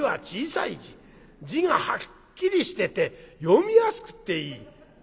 字がはっきりしてて読みやすくていい」。